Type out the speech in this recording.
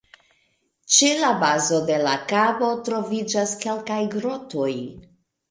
Ĉe la bazo de la kabo troviĝas kelkaj grotoj.